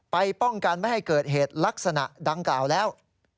ป้องกันไม่ให้เกิดเหตุลักษณะดังกล่าวแล้ว